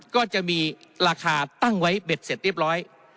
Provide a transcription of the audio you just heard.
ก็จะมีราคาตั้งไว้เบ็ดเสร็จเรียบร้อย